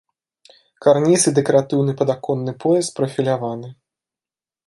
Карніз і дэкаратыўны падаконны пояс прафіляваны.